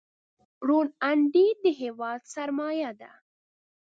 روڼ اندي د هېواد سرمایه ده.